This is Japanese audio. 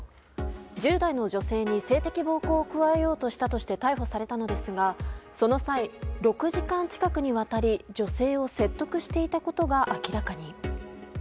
１０代の女性に性的暴行を加えようとしたとして逮捕されたのですがその際、６時間近くにわたり女性を説得していたことが明らかに。